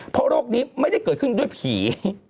เพราะโรคนี้ไม่ได้เกิดขึ้นด้วยผี